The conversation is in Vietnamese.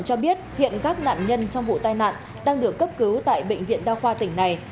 cho biết hiện các nạn nhân trong vụ tai nạn đang được cấp cứu tại bệnh viện đa khoa tỉnh này